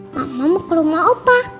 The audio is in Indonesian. mama mau ke rumah opa